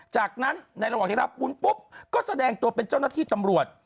จากนั้นในระหว่างที่รับวุ้นปุ๊บก็แสดงตัวเป็นเจ้าหน้าที่ตำรวจ